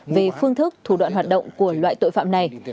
về phương thức thủ đoạn hoạt động của loại tội phạm này